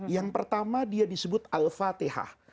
yang pertama dia disebut al fatihah